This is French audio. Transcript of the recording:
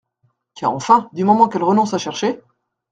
Car enfin, du moment qu’elle renonce à chercher !…